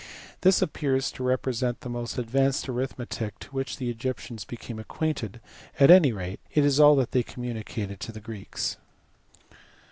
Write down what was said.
This appears to represent the most advanced arithmetic with which the Egyptians became acquainted at any rate it is all that they communicated to the Greeks.